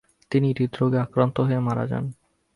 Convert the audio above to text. তিনি হৃদরোগে আক্রান্ত হয়ে মারা যান।